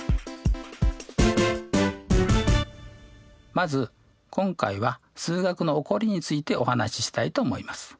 まず今回は数学の起こりについてお話ししたいと思います。